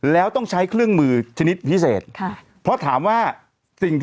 แล้วต้องใช้เครื่องมือชนิดพิเศษ